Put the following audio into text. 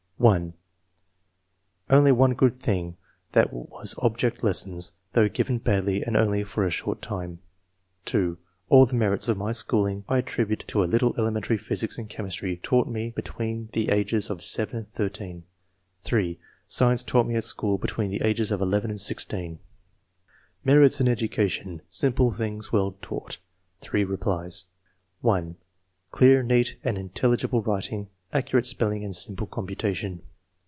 (1) "Only one good thing; that was object lessons, though given badly and only for a short time." (2) "All the merits [of my schooling] I attribute to a little elementary physics and chemistry, .taught me between the ages of 7 and 13." (3) " Science taught me at school between the ages of 11 and 16." MERITS IN EDUCATION: SIMPLE THINGS WELL TAUGHT — THREE REPLIES. (1) " Clear, neat, and intelligible writing, ac curate spelling, and simple computation."